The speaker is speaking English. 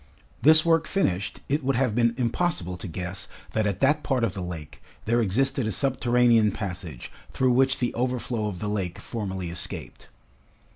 This work finished, it would have been impossible to guess that at that part of the lake, there existed a subterranean passage through which the overflow of the lake formerly escaped.